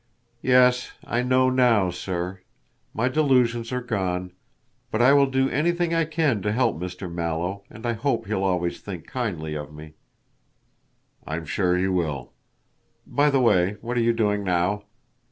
"Yes! I know now, sir. My delusions are gone. But I will do anything I can to help Mr. Mallow and I hope he'll always think kindly of me." "I'm sure he will. By the way, what are you doing now?"